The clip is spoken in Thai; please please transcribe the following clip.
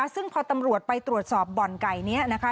ซึ่งพอตำรวจไปตรวจสอบบ่อนไก่นี้นะคะ